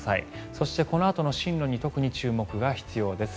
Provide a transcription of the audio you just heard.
そして、このあとの進路に特に注目が必要です。